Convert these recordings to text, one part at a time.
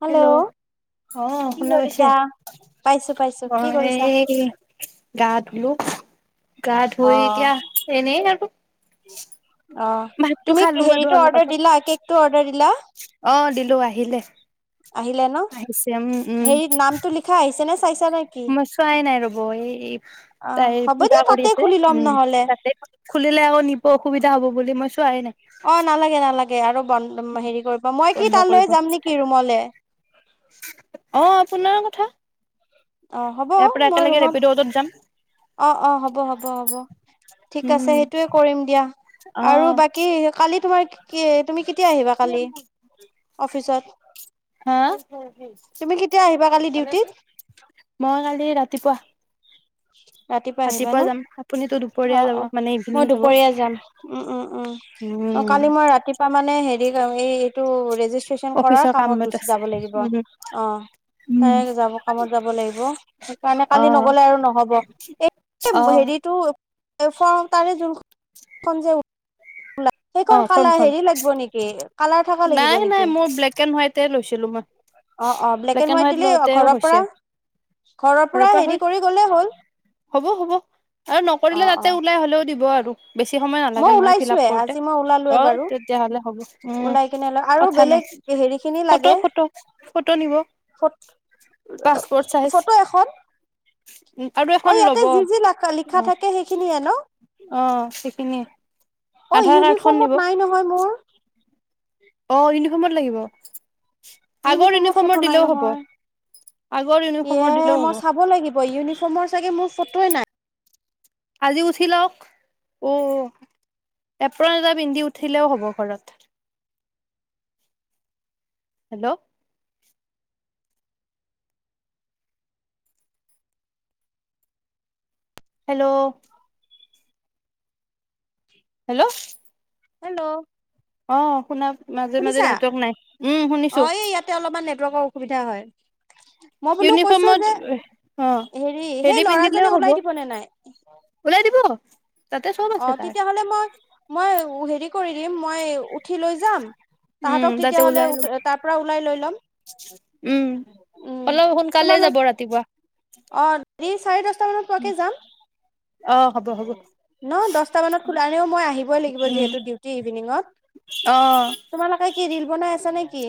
Hello. অ' কি শুনা পাইছে, কৰিছা? পাইছো পাইছো কি মই কৰিছা? গা ধুলো, গা অ ধুই এতিয়া এনেই আৰু। অ, ভাতটো তুমি খালো বাৰু হেৰিটো অলপ অৰ্ডাৰ আগত দিলা, কেকটো অৰ্ডাৰ দিলা? অ, দিলোঁ, আহিলে। আহিলে ন! আহিছে উম উম হেৰি নামতটো লিখা আহিছে নে চাইছা নে? কি? মই চোৱাই নাই ৰ'ব, এই অ তাই হ'ব পূজা দিয়া কৰি তাতে আছে, খুলি ল'ম উম, নহ'লে। তাতে খুলিলে আকৌ নিব অসুবিধা হ'ব বুলি, মই চোৱাই নাই। অ, নালাগে, নালাগে, আৰু বন হেৰি কৰিব, মই কি বন্ধ কৰিব তালৈ যাম নেকি, ৰুমলে? অ, আপোনাৰ কথা। অ হ'ব ইয়াৰ পৰা মই একেলগে ৰুমত ৰেপিড অটোত যাম। অ, অ, হ'ব, হ'ব, হ'ব, ঠিক আছে, উম সেইটোয়ে কৰিম দিয়া, অ আৰু বাকী কালি তোমাৰ কি, তুমি কেতিয়া আহিবা কালি অফিচত? হা! তুমি কেতিয়া আহিবা কালি ডিউটিত? মই কালি ৰাতিপুৱা। ৰাতিপুৱা আহিবা ন! যাম আপুনিতো অ, দুপৰীয়া যাব অ, মানে ইভিনিং মই যাব দুপৰীয়া যাম। উম, উম, উম, কালি মই ৰাতিপুৱা মানে হেৰি যাম, হেৰি এইটো ৰেজি ষ্ট্ৰেচন কৰাৰ অফিচৰ কামত গুচি আছে যাব লাগিব। অ। উম তাৰে যাব, কামত যাব লাগিব, সেইকাৰণে অ কালি নগ'লে আৰু ন হ'ব, এই অ হেৰিটো [unintelligible] ওলাব, অ সেইখন কালাৰ, ফৰ্মখন হেৰি লাগিব নেকি? কালাৰ থকা লাগিব নাই নাই নেকি? মোৰ ব্লেক এণ্ড হোৱাইটে লৈছিলো মই অ, অ, ব্লেক এণ্ড হোৱাইট দিলে, অ, ঘৰৰ পৰা, ঘৰৰ পৰা হেৰি কৰি গ'লে হ'ল। হ'ব, হ'ব, আৰু অ নকৰিলে অ তাতে ওলাই, হ'লেও দিব আৰু, বেছি সময় মই নালাগে নহয় ফিল আপ ওলাইছোয়ে আজি কৰোতে। মই ওলালোৱে বাৰু তেতিয়া হ'লে হ'ব। উম, ওলাই কিনে আৰু কথা নাই, বেলেগ হেৰি খিনি ফটো, লাগে ফটো, ফটো নিব। ফ পাছপোৰ্ট চাইজ। ফটো এখন আৰু অ, এখন ইয়াতে ল'ব যি-যি ল লিখা থাকে, সেইখিনিয়ে ন। অ, সেইখিনিয়ে। অ, ইউনি [unintelligible] অ, ইউনিফৰ্মত লাগিব। আগৰ ইউনিফৰ্মৰ ইউনিফৰ্মত ফটো নাই দিলেও হ'ব নহয়। আগৰ ইউনিফৰ্মত ইএ, দিলেও হ'ব মই চাব লাগিব, ইউনিফৰ্মৰ চাগে মোৰ ফটোৱেই নাই। আজি উঠি লওক, অ, এপ্ৰণ এটা পিন্ধি উঠিলেও হ'ব ঘৰত। হেল্ল'! হেল্ল'! হেল্ল'! হেল্ল'! অ, শুনা মাজে-মাজে শুনিছা নেটৱৰ্ক নাই। উম, অ শুনিছোঁ। ইয়াতে এই অলপমান নেটৱৰ্কৰ অসুবিধা হয়। মই বোলো কৈছোঁ ইউনিফৰ্মত যে, অ হেৰি সেই পিন্ধিলেও ল'ৰাজনে হ'ব ওলাই দিবনে নাই? ওলাই দিব। তাতে চব অ, আছে তাৰ তেতিয়া হ'লে মই, মই হেৰি কৰি দিম, মই উঠি লৈ যাম, উম তাহাঁতক তাতে তেতিয়া হ'লে ওলাই ল তাৰ পৰা ওলাই লৈ লম। উম, উম অলপ সোনকালে তোমালোক যাব ৰাতিপুৱা। অ, চাৰে দহটা মানত পোৱাকে যাম। অ, হ'ব, হ'ব। ন দহটা মানত ওলালেও মই আহিবই লাগিব, উম যিহেতু ডিউটি ইভিনিঙত। অ। তোমালোকে কি ৰিল বনাই আছা নেকি?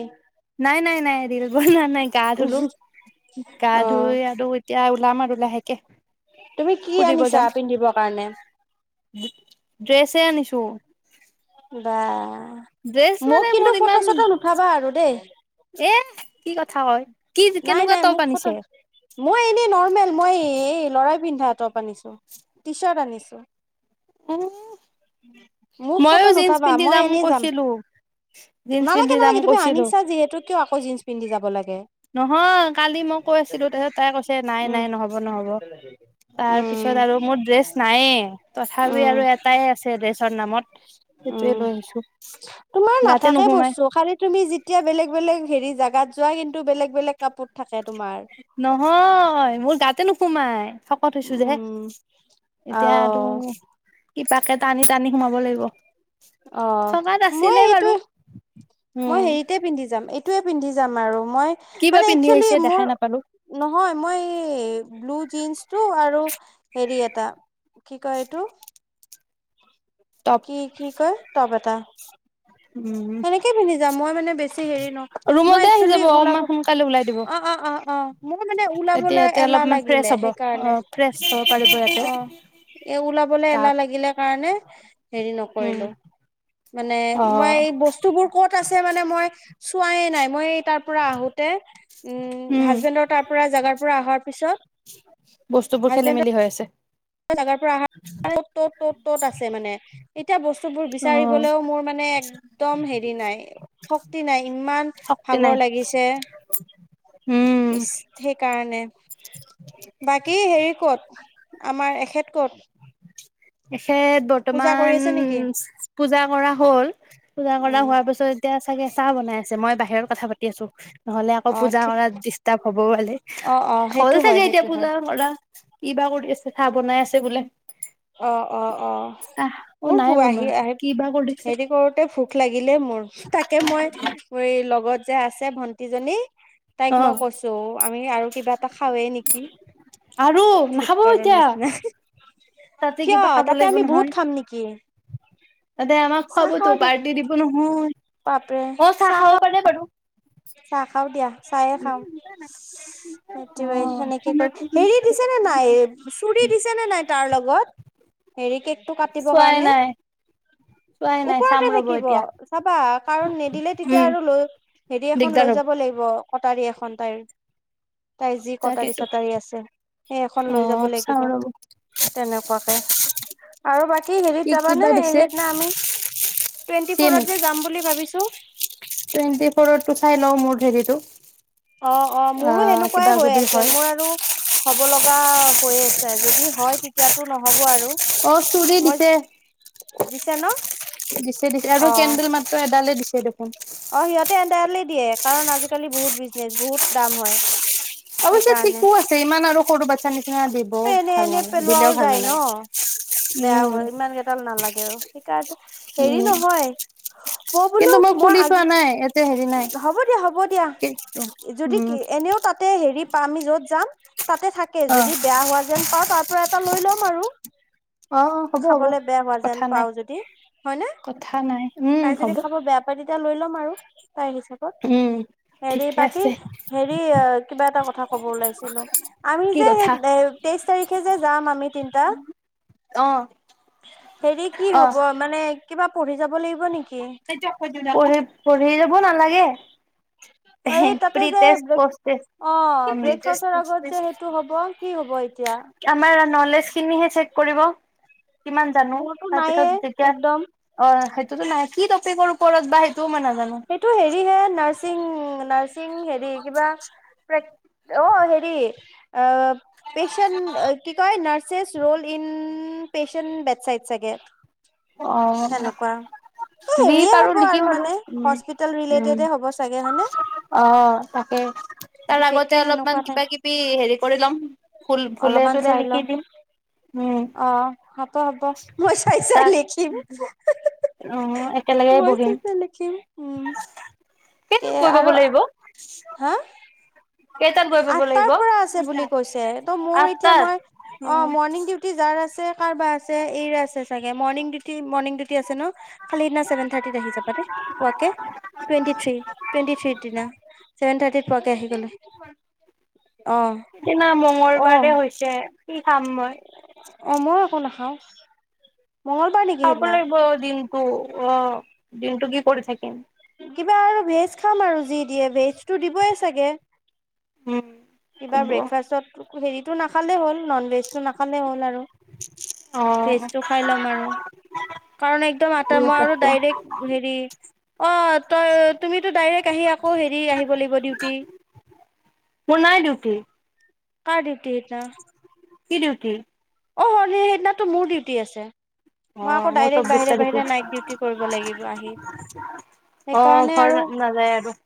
নাই নাই নাই ৰিল বনোৱা নাই গা অ ধুলোঁ গা ধুই আৰু - এতিয়া ওলাম আৰু লাহেকে। তুমি কি ফুৰিব আনিছা যাম পিন্ধিবৰ কাৰণে? ড্ৰেছে আনিছোঁ। বা ড্ৰেছ মোক মানে কিন্তু ফটো চটো নুঠাবা আৰু দেই। এহ কি কথা কয়, কি নাই নাই কেনেকুৱা মোক টপ ফটো আনিছে? মই এনেই নৰ্মেল মই এই ল'ৰাই পিন্ধা টপ আনিছো টি চাৰ্ট আনিছো। উমঁ হ। মোক ফটো ময়ো জিন্স নুঠাবা পিন্ধি মই যাম এনেই কৈছিলোঁ, জিন্স নালাগে পিন্ধি যাম নালাগে তুমি কৈছিলোঁ। আনিছা যিহেতু কিয় আক' জিন্স পিন্ধি যাব লাগে? নহয় কালি মই কৈ আছিলোঁ তাছত তাই কৈছে নাই উম নাই নহ'ব নহ'ব। উম তাৰপিছত আৰু মোৰ ড্ৰেছ নায়েই তথাপি উম আৰু এটাই আছে ড্ৰেছৰ নামত। সেইটোয়ে লৈ আহিছো উমঁ তোমাৰ গাতে নাথাকে নুসুমাই বস্তু খালি তুমি যিট- তিয়া বেলেগ বেলেগ হেৰি জাগাত যোৱা কিন্তু বেলেগ বেলেগ কাপোৰত- নহয় মোৰ গাতে নোসোমায়, শকত হৈছো যে! উম অ এতিয়া আৰু কিপাকে টানি টানি সোমাব লাগিব। অ' চকাত মই আছিলে এইটো বাৰু মই উম হেৰিতে পিন্ধি যাম, এইট- এটোৱে পিন্ধি যাম আৰু মই কি বা মানে পিন্ধি এক্সুৱেলি আহিছে দেখাই মোৰ- নাপালো নহয় মই ব্লু জিন্সটো আৰু হেৰি এটা। কি কয় এইটো? [inaudible] টপ কি কি কয় টপ এটা। উম সেনেকে পিন্ধি যাম মই মানে বেছি হেৰি ন, মই ৰুমতে আহি একচুৱেলি যাব ওলাব অকমান সোনকালে ওলাই দিব অঁ অঁ অঁ অঁ মই মানে তেতিয়া ওলাবলৈ ইয়াতে এলা অলপমান ফ্ৰেছ লাগিলে হ'ব অ হেইকাৰণে ফ্ৰেছ হ'ব পাৰিব ইয়াতে অঁ। এ ওলাবলে এলা গাত লাগিলে কাৰণে- হেৰি উম নকৰিলো, মানে অ মই এই বট- বস্তুবোৰ ক'ত আছে মানে মই চোৱাই নাই, মই তাৰ পৰা আহোঁতে- উমঁ উম হাজবেণ্ডৰ তাৰ পৰা জাগাৰ পৰা অহাৰ পিছত হাজবেণ্ডৰ - কি হৈ আছে? জাগাৰ পৰা আহাৰ ত'ত ত'ত ত'ত ত'ত আছে মানে। এতিয়া বস্তুবোৰ অ বিচাৰিবলৈও মোৰ মানে একদম হেৰি নাই শক্তি নাই, ইমান- ভাগৰ লাগিছে। উমঁ। ইচ সেইকাৰণে বাকী হেৰি ক'ত আমাৰ এসেত ক'ত? এসেত পূজা কৰি বৰ্তমান আছে নেকি চি চি- পূজা কৰা হ'ল, পূজা কৰা উম হোৱাৰ পিছত এতিয়া চাগে চাহ বনাই আছে মই বাহিৰত কথা পাতি- দি আছো, নহ'লে আকৌ অ পূজা ঠিক কৰাত ডিষ্টাৰ্ব হব বালে- অ অ সেইটো হ'ল হয় চাগে এতিয়া সেইটো হয় পুজা কৰা কি বা কৰি আছে চাহ বনাই আছে বোলে। অঁ অঁ অঁ চাহ অ মোৰ নাই ভো বনোৱা আহি আহি কিবা কৰিছে হেৰি কৰোতে ভো- ভোক লাগিলে মোৰ তাকে মই লগত যে আছে ভন্টিজনী- তাইক অ মই কৈছোঁ আমি আৰু কিবা এটা খাওঁৱেই নেকি? আৰু নাখাবও ভোকৰৰ এতিয়া। নিচিনা তাতে কিয় কিবা খাব তাতে লাগিব আমি বহুত নহয়? খাম নেকি তাতে আমাক চাহ খুৱাবতো খাওঁ দিয়া পাৰ্টি দিব নহয়, বাপৰে অঁ চাহ খাব খাওঁ পাৰে বাৰু চাহ খাওঁ দিয়া চাহে খাওঁ চি- অ সেইটোয়ে সেনেকে কৰো হেৰি দিছে নে নাই চুৰি দিছে নে নাই তাৰ লগত? হেৰি, কেকটো কাটিবৰ চোৱাই কাৰণে? নাই চোৱাই নাই চাম ওপৰতে ৰ'ব থাকিব এতিয়া চাবা, কাৰণ নেদিলে তেতিয়া উম আৰু লৈ হেৰি এখন দিগদাৰ লৈ হ'ব যাব লাগিব, কটাৰী এখন তাইৰ তাইৰ যি কটাৰী তাকেতো চটাৰী আছে সেই এখন অ লৈ যাব চাও লাগিব। ৰ'ব তেনেকুৱাকে। আৰু বাকী কি হেৰিত কিবা যাবানে দিছে সেইদিনা আমি টুৱেন্টি চিমি ফ'ৰত যে যাম বুলি ভাবিছো। টুৱেণ্টি ফ'ৰত টো চাই লওঁ মোৰ হেৰিটো। অ' অ' মোৰো কিবা হেনেকুৱাই হৈ যদি আছে হয় মোৰ আৰু হ'ব লগা হৈ আছে, যদি হয় তে তিয়াতো নহ'ব আৰু অ চুৰি মই দিছে দিছে ন অ ত এডালে দিছে দেখোন। অঁ সিহঁতে এদালেই দিয়ে কাৰণ আজিকালি বহুত বিজনেচ বহুত দাম হয়। অৱশ্যে, সেইকাৰণে ঠিকো আছে ইমান আৰু সৰু বাচ্ছা নিচিনা দি ব এনে ভাল নালাগে দিলেও ভাল নালাগে। বেয়াও উম হয়, ইমান কেইডাল নালাগে সেইকাৰণে হেৰি উম নহয় মই বোলো কিন্তু মই খুলি চোৱা আজি, নাই ইয়াতে হেৰি নাই হ'ব দিয়া হ'ব দিয়া কেকটো। যদি উম এনেও তাতে হেৰি পাম আমি য'ত যাম তাতে থাকে অ যদি বেয়া হোৱা যেন পাওঁ তাৰ পৰা এটা লৈ লম আৰু। অ হ'ব হ'ব খাবলে বেয়া হোৱা যেন কথা নাই পাওঁ যদি হয় নে, কথা নাই উম তাই যদি হ'ব খাব বেয়া পাই তেতিয়া লৈ ল'ম আৰু তাইৰ হিচাপত। উম। হেৰি, ঠিকে বাকী আছে হেৰি কিবা এটা কথা কব ওলাইছিলো আমি কি যে কথা সেই তেইছ তাৰিখে যে যাম আমি তিনিটা অ হেৰি কি অ হব মানে, কিবা পঢ়ি যাব লাগিব নেকি? পঢ়ি, পঢ়ি যাব নালাগে। এই তাতে প্ৰী টেষ্ট, যে পোষ্ট টেষ্ট। অ, ব্ৰেকফাষ্টৰ আগত যে সেইটো হ'ব কি হ'ব এতিয়া? আমাৰ নলেজ খিনিহে চেক কৰিব কিমান জানো। মোৰতো নাইয়ে তাৰপিছত যেতিয়া একদম অ সেইটোতো নাই কি টপিকৰ ওপৰত বা সেইটোও মই নাজানো। সেইটো হেৰি হে, নাৰছিং নাৰছিং হেৰি কিবা অ, হেৰি আ পেচেণ্ট কি কয় nurses role in patient bedside চাগে। অ', সেনেকুৱা এই যি হেৰিয়ে পাৰো হ'ব লিকিম আৰু। মানে উম হস্পিতেল উম, ৰিলেটেডে হ'ব চাগে হয়নে অ তাকে। তাৰ বিশেষকে আগতে সেনেকুৱা অলপমান নাই কিবা কিবি হেৰি কৰি লম ভুল ভুলে চুলে লিখি দিম। উম, অহ হ'ব হ'ব, মই চই চাই তাত লিখিম। উম, একেলগে মই বহিম চাই চাই লিখিম উম। কে কেইটাত গৈ পাব আৰু, লাগিব? হা? কেইটাত গৈ পাব আঠটাৰ লাগিব? পৰা আছে বুলি কৈছে, ত মোৰ এতিয়া আঠটাত মই অ উম, মৰ্ণিং ডিউ টি যাৰ আছে কাৰবাৰ আছে এইৰে আছে চাগে মৰ্ণিং ডিউটি মৰ্ণং ডিউটি আছে ন খালি সেইদিনা চেভেন থাৰ্টিত আহি যাবা দেই পোৱাকে। টুৱেণ্টি থ্ৰী টুৱেণ্টি থ্ৰিৰ দিনা ছেভেন থাৰ্টিত পোৱাকে আহি গলে অ', সেইদিনা মঙ্গলবাৰে অ', হৈছে কি খাম মই অঁ ময়ো একো নাখাওঁ। মঙলবাৰে নেকি? খাব সেইদিনা লাগিব, দিনটো অ', দিনটো কি কৰি থাকিম? কিবা আৰু ভেজ খাম আৰু যি দিয়ে ভেজ টো দিবই চাগে। উম। কিবা হ'ব ব্ৰেকফাষ্টত হেৰিটো নাখালেই হ'ল নন ভেজটো নাখালেই হ'ল আৰু। অ ভেজটো খাই ল'ম আৰু। কাৰণ একদম আটা ঠিক মই আৰু আছে ডাইৰেক্ট হেৰি অঁ' তই তুমিতো ডাইৰেক্ট আহি আকৌ হেৰি আহিব লাগিব ডিউটি। মোৰ নাই ডিউটি। কাৰ ডিউটি সেইটো? কি ডিউটি? অ' হল সেইদিনাটো মোৰ ডিউটি আছে। অ মই, আকৌ মোৰ ডাইৰেক্ট চৌবিশ বাহিৰে তাৰিখে বাহি নাইট ডিউটি কৰিব লাগিব আহি। অ সেইকাৰণে ', ঘৰ আৰু নাযায় আৰু।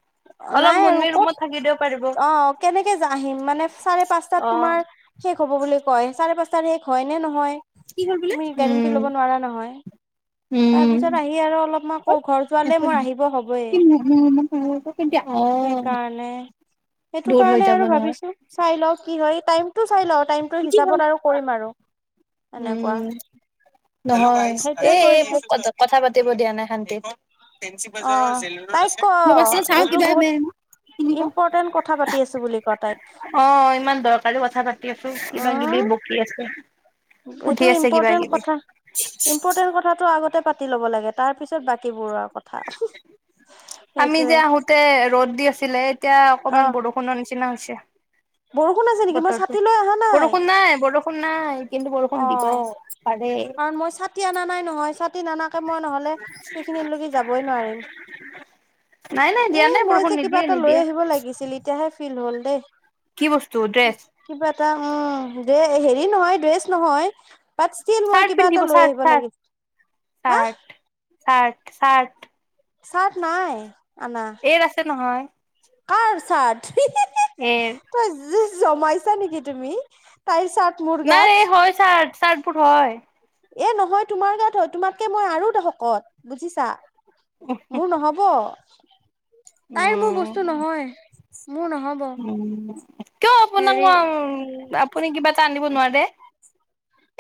অলপ নাই আৰু মুন্মি ক'ত ৰুমত থাকি দিব পাৰিব অ, কেনেকে আহিম মানে চাৰে পাঁচটাত অ তোমাৰ শেষ হ'ব বুলি কয়, চাৰে পাঁচটাত শেষ হয়, নে নহয়। তুমি গেৰেণ্টি ল'ব উম নোৱাৰা নহয়, তাৰ পিছত আহি আৰু অলপ ম ঘৰ ছোৱালে মোৰ আহিব হবয়ে, উম অ সেইকাৰণে। সেইটো দূৰ হৈ কাৰণে যাব আৰু নহয় ভাবিছো চাই লও কি হয়, টাইমটো চাই লওঁ, টাইমটো হিচাপত আৰু কৰিম আৰু। এনেকুৱা উম। নহয়, সেইটোৱে এ এ কৰিছো মোক কথা পাতিব দিয়া নাই শান্তিত। ফেঞ্চি অ বজাৰৰ জেল ৰোডত তাইক আচে, ক ৰবাচোন চাও এইটো কিব বেয়া বহুত কি দিব অ, ইম্পৰ্টেন্ট কথা পাতি আছো বুলি ক তাইক ইমান দৰকাৰী কথা পাতি আছো, কিবা কিবি ব উম কি আছে। সুধি এইটো আছে কিবা ইম্পৰ্টেণ্ট কিবি। কথা। ইম্পৰ্টেণ্ট কথাটো আগতে পাতি ল'ব লাগে, তাৰপিছত বাকীবোৰৰ কথা। আমি সেইটোয়ে যে আহোতে, ৰ'দ দি আছিলে, এতিয়া অ অকনমান বৰষুণৰ নিচিনা হৈছে। বৰষুণ আছে। নেকি মই বতৰটো, ছাতি লৈ অহা বৰষুণ নাই, বৰষুণ নাই কিন্তু অ বৰষুণ দিব পাৰে। কাৰণ মই ছাতি আনা নাই নহয়, ছাতি নানাকে মই নহলে সেইখিনিত লকি যাবই নোৱাৰিম। নাই নাই এ দিয়া নাই মই বৰষুণ যে কিবা নিদিয়ে এটা লৈ নিদিয়ে আহিব লাগিছিল, এতিয়াহে ফিল হ'ল দেই। কি বস্তু ড্ৰেছ? কিবা এটা উম, ডে হেৰি নহয়, ড্ৰেছ নহয়। বাট ষ্টীল, মই চাৰ্ট কিবা এটা পিন্ধিব লৈ চাৰ্ট আহিব চাৰ্ট লাগিছিল, হা? চাৰ্ট। Shirt shirt. চাৰ্ট নাই আনা। এইৰ আছে নহয়। কাৰ চাৰ্ট হি হি হি। এইৰ। তই, জ জমাইছা নেকি তুমি, তাইৰ চাৰ্ট মোৰ নাই গাত এই হয় চাৰ্ট চাৰ্টবোৰ হয়। এ নহয়, তোমাৰ গাত হয়, তোমাতকে মই আৰু শকত বুজিছা? উহ হো। মোৰ নহব, তাইৰ মোৰ উম বস্তু নহয়, মোৰ নহব। উম, কিয় আপোনাক হেৰি আপুনি কিবা এটা আনিব নোৱাৰে।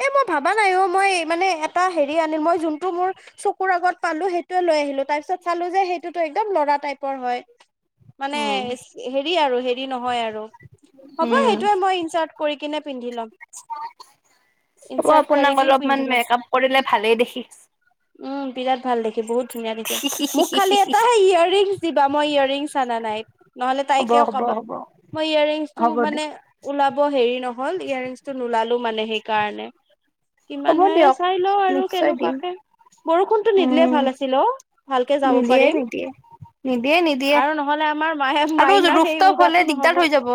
এ মই ভাবা নাই অ মই মানে এটা হেৰি আনি মই যোনটো মোৰ। চকুৰ আগত পালো সেইটোৱে লৈ আহিলো তাৰ পিছত চালো যে সেইটোতো একদম লৰা টাইপৰ হয়। মানে উম, হেৰি আৰু হেৰি নহয় আৰু হ'ব উম, সেইটোৱে মই ইনচাৰ্ট কৰি কিনে পিন্ধি ল'ম। হ'ব ইনচাৰ্ট কৰি আপোনাক কি অলপমান পিন্ধি ল'ম মেকা আপ কৰিলে ভালেই দেখি। উম বিৰাট ভাল দেখি বহুত ধুনীয়া দেখে মোক খালি এটাে ইয়েৰ ৰিং। দিবা মই ইয়েৰিংছ আনা নাই নহলে হ'ব, তাইকেও হ'ব, কবা হ'ব, মই হ'ব ইয়েৰিংছটো দিয়ক, মানে। ওলাব হেৰি নহ'ল ইয়োৰৰিংচটো নোলালো মানে সেইকাৰণে। হ'ব কিমান হৰে দিয়ক। চাই লও আৰু নিশ্চয় দিম, কেনেকুৱাকে। বৰষুণতো নিদিলে উম, ভাল আছিল অ ভালকে যাব নিদিয়ে, পাৰিম। নিদিয়ে। নিদিয়ে নিদিয়ে আৰু নহ'লে আমাৰ মায়ে আৰু মাইনাৰ ৰোফ সেই টপ উৰাটো হলে নহ'ব দিগদাৰ হৈ যাব।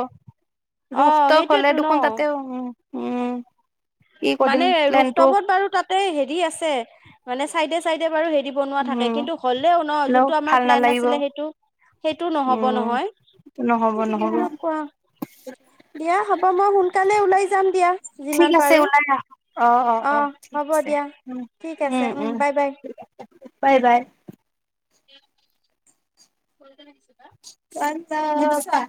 অ ৰূফটো হ'লে সেইটোয়েতো দেখোন ন তাতে উ উম। কি কৰিম মানে প্লেনটো ৰুফটপত বাৰু তাতে হেৰি আছে মানে চাইডে চাইডে বাৰু হে, বনোৱা থাকে উম, কিন্তু হ'লেও ন হ'লেও যোনটো ভাল আমাৰ প্লেন নালাগিব, আছিলে সেইটো। সেইটো নহ'ব উম, নহয়। নহ'ব নহ'ব। এনেকুৱা দিয়া হ'ব মই সোনকালে ওলাই যাম দিয়া। ঠিক যিমান আছে পাৰো ওলাই আহ, অ অ অ ঠিক হ'ব আছে দিয়া উ ঠিক আছে উম উম বাই বাই আ বাই বাই। [unintelligible] কলতে দি দিছ বা, [unintelligible]